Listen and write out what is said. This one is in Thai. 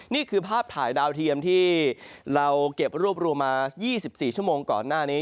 นี่คือภาพถ่ายดาวเทียมที่เราเก็บรวบรวมมา๒๔ชั่วโมงก่อนหน้านี้